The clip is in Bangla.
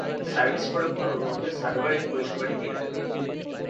সার্ভিস প্রোটোকল অনুরোধে সার্ভার এই পরিষেবাটি দিয়ে থাকে।